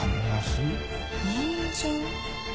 にんじん？